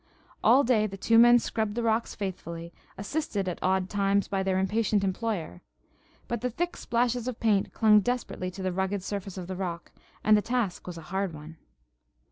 All day the two men scrubbed the rocks faithfully, assisted at odd times by their impatient employer; but the thick splashes of paint clung desperately to the rugged surface of the rock, and the task was a hard one.